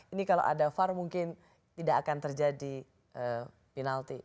ini kalau ada var mungkin tidak akan terjadi penalti